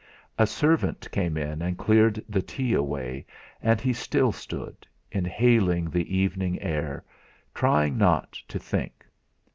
A servant came in and cleared the tea away, and he still stood, inhaling the evening air, trying not to think.